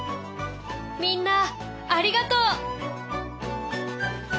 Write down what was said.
みんなありがとう。